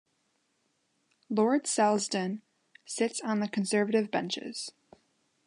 Lord Selsdon sits on the Conservative benches.